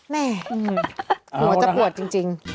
แม่หัวจะปวดจริง